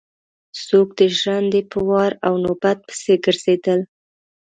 څوک د ژرندې په وار او نوبت پسې ګرځېدل.